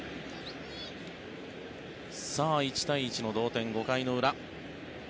１対１の同点、５回の裏。